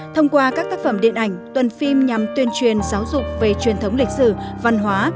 thông qua các tác phẩm điện ảnh tuần phim nhằm tuyên truyền giáo dục về truyền thống lịch sử văn hóa